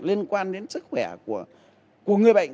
liên quan đến sức khỏe của người bệnh